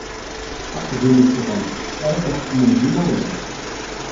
Aqjun iṣṣḍen, ara t-iḥekmen d imawlan.